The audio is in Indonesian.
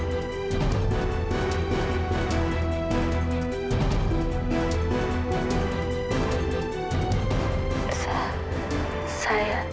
bagaimana perasaan ibu sekarang